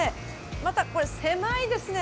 またこれ狭いですね。